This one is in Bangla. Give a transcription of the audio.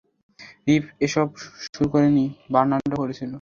রিফ এসব শুরু করেনি, বার্নার্ডো করেছিল।